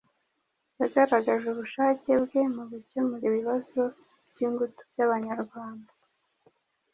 yagaragaje ubushake bwe mu gukemura ibibazo by'ingutu by'Abanyarwanda.